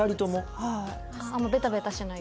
はい